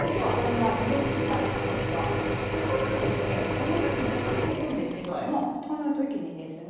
保存容器に移していくんですけどもこのときにですね